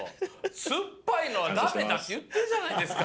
すっぱいのはダメだっていってるじゃないですか！